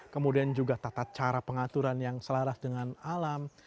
kemudian juga tata cara pengaturan yang selaras dengan alam